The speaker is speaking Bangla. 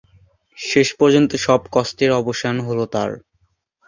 শেষ পর্যন্ত সব কষ্টের অবসান হলো তাঁর।